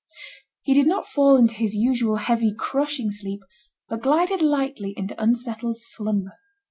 He did not fall into his usual heavy, crushing sleep, but glided lightly into unsettled slumber.